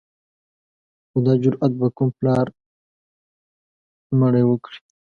خو دا جرأت به کوم پلار مړی وکړي.